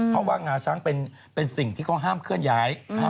เพราะว่างาช้างเป็นสิ่งที่เขาห้ามเคลื่อนย้าย